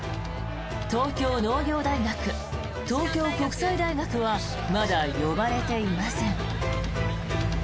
東京農業大学、東京国際大学はまだ呼ばれていません。